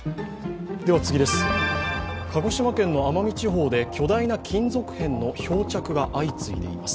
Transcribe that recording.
鹿児島県の奄美地方で巨大な金属片の漂着が相次いでいます。